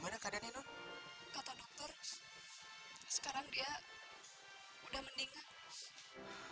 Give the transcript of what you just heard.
mana keadaannya noh atau dokter sekarang dia udah meninggal